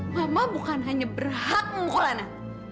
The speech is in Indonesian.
mama bukan hanya berhak memukul ana